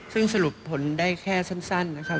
ซึ่งสรุปผลได้แค่สั้นนะครับ